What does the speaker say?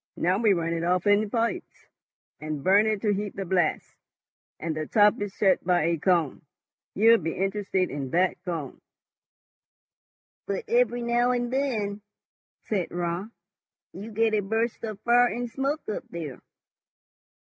Now we run it off in pipes, and burn it to heat the blast, and the top is shut by a cone. You'll be interested in that cone." "But every now and then," said Raut, "you get a burst of fire and smoke up there."